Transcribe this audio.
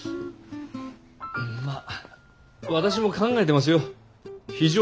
まあ私も考えてますよ。